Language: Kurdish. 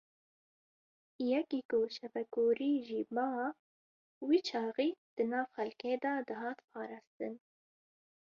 Yekî ku şevekorî jî ba, wî çaxî di nav xelkê de dihat parastin.